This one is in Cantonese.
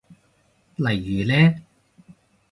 例如呢？